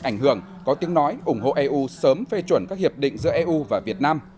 ảnh hưởng có tiếng nói ủng hộ eu sớm phê chuẩn các hiệp định giữa eu và việt nam